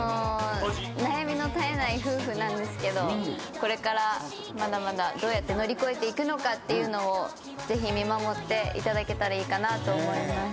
悩みの絶えない夫婦なんですけどこれからまだまだどうやって乗り越えていくのかっていうのをぜひ見守っていただけたらいいかなと思います。